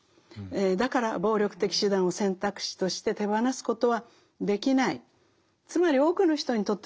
だから暴力的手段を選択肢として手放すことはできない。